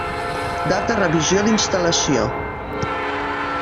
Data revisió d'instal·lació.